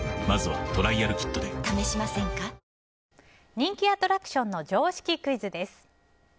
人気アトラクションの常識クイズです。